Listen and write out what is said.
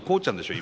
今。